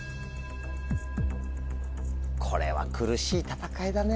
これは苦しい戦いだね。